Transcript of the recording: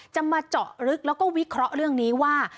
จะมาเจาะลึกแล้วก็วิเคราะห์เรื่องนี้ว่า